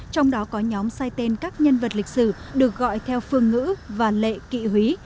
trong đó có nhóm sai tên các nhân vật lịch sử được gọi theo phương ngữ và lệ kỵ húy